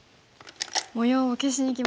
模様を消しにきましたね。